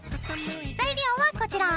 材料はこちら！